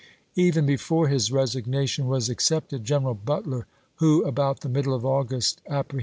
Even before his resignation was accepted, Greneral Butler, who about the middle of August appre 1862.